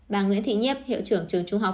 bà nguyễn thị nhép hiệu trưởng trường trung học